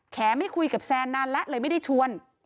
ไม่คุยกับแซนนานแล้วเลยไม่ได้ชวน